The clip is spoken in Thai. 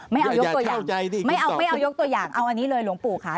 ไม่เอายกตัวอย่างดิไม่เอาไม่เอายกตัวอย่างเอาอันนี้เลยหลวงปู่ค่ะ